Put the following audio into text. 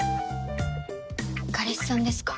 彼氏さんですか？